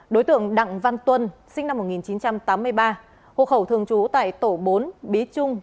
đối tượng đặng văn tuân sinh năm một nghìn chín trăm tám mươi ba hộ khẩu thường trú tại tổ bốn bí trung